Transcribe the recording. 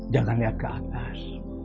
jangan lihat ke atas